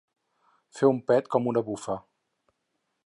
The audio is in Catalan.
Fer un pet com una bufa.